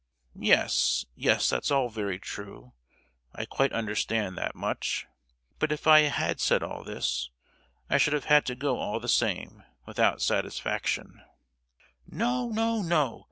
"Yes—yes, that's all very true, I quite understand that much! but if I had said all this, I should have had to go all the same, without satisfaction!" "No, no, no!